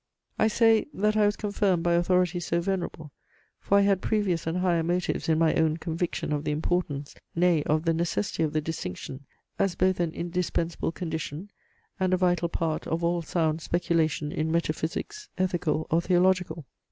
I say, that I was confirmed by authority so venerable: for I had previous and higher motives in my own conviction of the importance, nay, of the necessity of the distinction, as both an indispensable condition and a vital part of all sound speculation in metaphysics, ethical or theological.